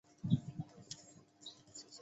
中国共产党及中华人民共和国官员。